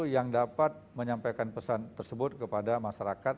yang dapat menyampaikan pesan tersebut kepada masyarakat